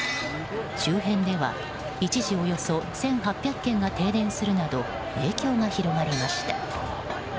周辺では一時およそ１８００軒が停電するなど影響が広がりました。